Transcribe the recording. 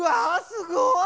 すごい！